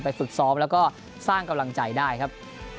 ฝึกซ้อมแล้วก็สร้างกำลังใจได้ครับ